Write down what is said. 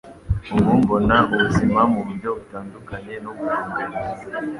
Ubu mbona ubuzima muburyo butandukanye nubwa mbere